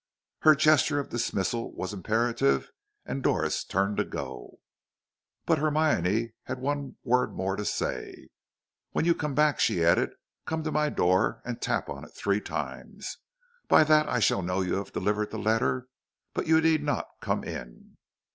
Her gesture of dismissal was imperative and Doris turned to go. But Hermione had one word more to say. "When you come back," she added, "come to my door and tap on it three times. By that I shall know you have delivered the letter; but you need not come in."